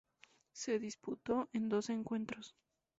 Se disputó en dos encuentros.